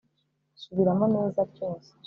subiramo neza ryose! "